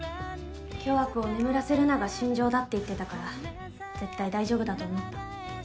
「巨悪を眠らせるな」が信条だって言ってたから絶対大丈夫だと思った。